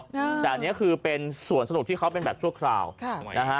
แต่อันนี้คือเป็นส่วนสนุกที่เขาเป็นแบบชั่วคราวค่ะนะฮะ